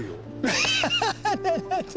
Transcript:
アハハハハ！